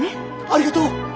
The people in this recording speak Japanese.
ありがとう！